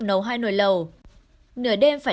nấu hai nồi lầu nửa đêm phải